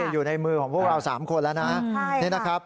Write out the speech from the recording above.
อยู่ในมือของพวกเรา๓คนแล้วนะ